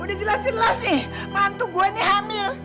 udah jelas jelas nih mantu gue nih hamil